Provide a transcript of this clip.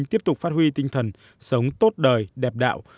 tiếp tục phát huy tinh thần sống tốt đời đẹp đạo